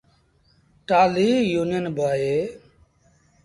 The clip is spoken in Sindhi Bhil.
ٽآلهيٚ يونيٚن با اهي